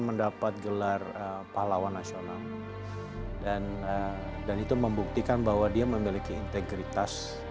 mendapat gelar pahlawan nasional dan dan itu membuktikan bahwa dia memiliki integritas